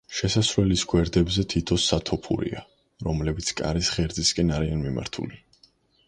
შესასვლელის გვერდებზე თითო სათოფურია, რომლებიც კარის ღერძისკენ არიან მიმართული.